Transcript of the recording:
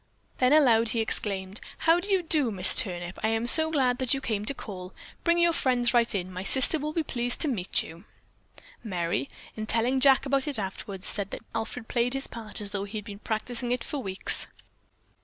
Then aloud he exclaimed: "How do you do, Miss Turnip. I am so glad that you came to call. Bring your friends right in. My sister will be pleased to meet you." Merry, in telling Jack about it afterwards, said that Alfred played his part as though he had been practicing it for weeks.